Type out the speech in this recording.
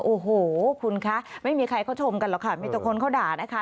โอ้โหคุณคะไม่มีใครเขาชมกันหรอกค่ะมีแต่คนเขาด่านะคะ